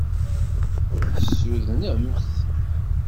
Tessudnem-t?